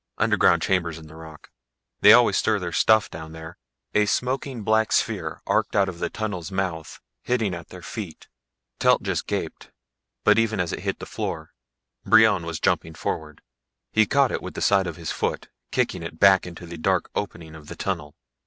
"Underground chambers in the rock. They always store their stuff down there " A smoking, black sphere arced out of the tunnel's mouth, hitting at their feet. Telt just gaped, but even as it hit the floor Brion was jumping forward. He caught it with the side of his foot, kicking it back into the dark opening of the tunnel.